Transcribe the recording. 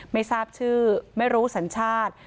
ไม่ทราบชื่อไม่รู้สัญชาติ